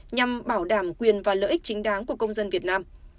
nhằm bảo đảm quyền và lợi ích chính đáng của công dân việt nam